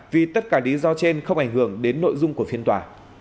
vì tất cả lý do trên không ảnh hưởng đến nội dung của phiên tòa